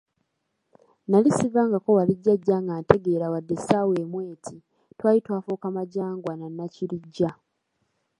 Nnali sivangako wali jjajja nga ntegeera wadde essaawa emu eti, twali twafuuka Majangwa na Nakirijja.